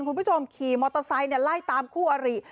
คุณผู้ชมขี่มอเตอร์ไซค์ไล่ตามคู่อริ